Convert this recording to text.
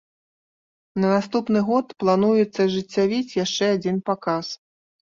На наступны год плануецца ажыццявіць яшчэ адзін паказ.